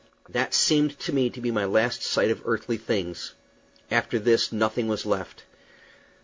That seemed to me to be my last sight of earthly things. After this nothing was left.